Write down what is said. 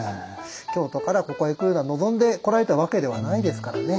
京都からここへ来るのは望んで来られたわけではないですからね。